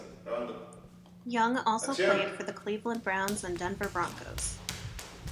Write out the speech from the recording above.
Young also played for the Cleveland Browns and Denver Broncos.